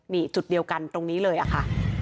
นี่จุดเดียวกันตรงนี้เลยอะค่ะ